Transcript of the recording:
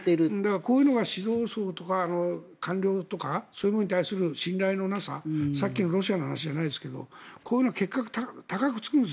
こういうのが指導層とか官僚とかそういうものに対する信頼のなささっきのロシアの話じゃないですけどこういうのは高くつくんです。